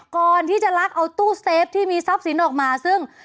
ก่อนที่จะลักเอาตู้เซฟที่มีทรัพย์สินออกมาซึ่ง